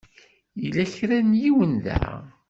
Yella kra n yiwen da.